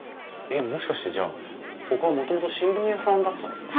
えっもしかしてじゃあここはもともと新聞屋さんだったんですか？